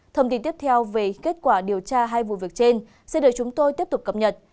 thông tin tiếp theo về kết quả điều tra hai vụ việc trên sẽ được chúng tôi tiếp tục cập nhật